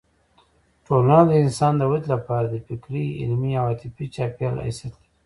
ټولنه د انسان د ودې لپاره د فکري، علمي او عاطفي چاپېریال حیثیت لري.